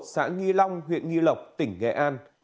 xã nghi long huyện nghi lộc tỉnh nghệ an